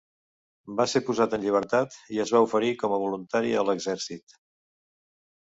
Va ser posat en llibertat i es va oferir com a voluntari a l'exèrcit.